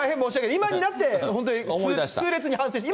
今になって、本当に痛烈に反省してる。